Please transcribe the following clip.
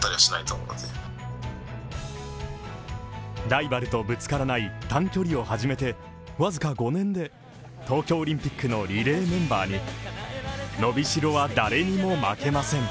ライバルとぶつからない短距離を始めてわずか５年で、東京オリンピックのリレーメンバーに伸びしろは誰にも負けません。